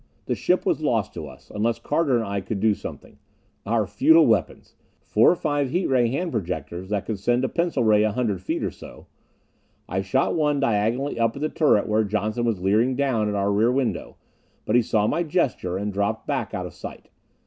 The ship was lost to us, unless Carter and I could do something. Our futile weapons! They were all here four or five heat ray hand projectors that could send a pencil ray a hundred feet or so. I shot one diagonally up at the turret where Johnson was leering down at our rear window, but he saw my gesture and dropped back out of sight.